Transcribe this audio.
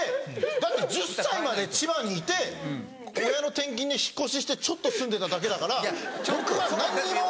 だって１０歳まで千葉にいて親の転勤で引っ越ししてちょっと住んでただけだから僕は何にも。